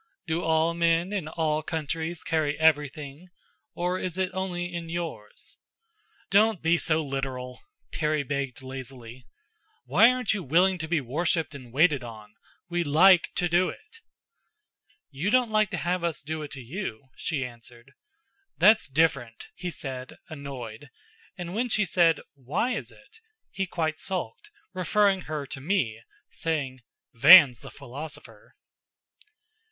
"Do all men in all countries carry everything? Or is it only in yours?" "Don't be so literal," Terry begged lazily. "Why aren't you willing to be worshipped and waited on? We like to do it." "You don't like to have us do it to you," she answered. "That's different," he said, annoyed; and when she said, "Why is it?" he quite sulked, referring her to me, saying, "Van's the philosopher."